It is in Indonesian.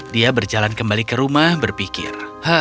dia berjalan kembali ke rumah berpikir